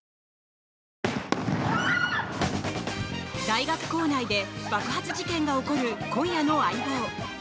大学構内で爆発事件が起こる今夜の「相棒」。